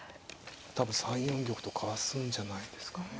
多分３四玉とかわすんじゃないですかね。